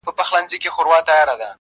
د هيندارو يوه لاره کي يې پرېښوم_